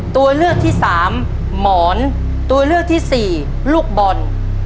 ตัวเลือกที่สามหมอนตัวเลือกที่สี่ลูกบอล